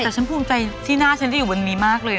แต่ฉันภูมิใจที่หน้าฉันที่อยู่บนนี้มากเลย